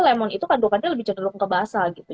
lemon itu kandungannya lebih cenderung ke basah gitu